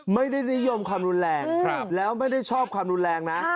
ไม่ได้นิยมความรุนแรงแล้วไม่ได้ชอบความรุนแรงนะ